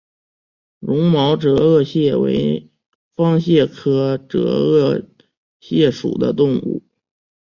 绒毛折颚蟹为方蟹科折颚蟹属的动物。